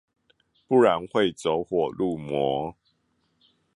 不然會走火入魔